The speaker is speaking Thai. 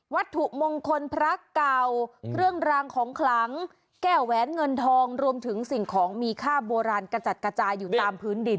วัตถุมงคลพระเก่าเครื่องรางของขลังแก้วแหวนเงินทองรวมถึงสิ่งของมีค่าโบราณกระจัดกระจายอยู่ตามพื้นดิน